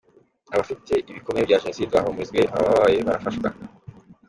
Abafite ibikomere bya Jenoside bahumurizwe, abababaye bafashwe.